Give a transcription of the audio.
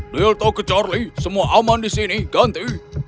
lilto ke charlie semua aman di sini ganti